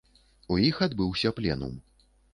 У іх адбыўся пленум.